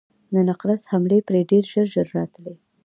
د نقرس حملې پرې ډېر ژر ژر راتلې.